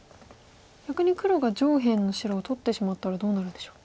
逆に黒が上辺の白を取ってしまったらどうなるんでしょう。